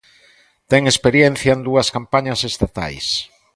Ten experiencia en dúas campañas estatais.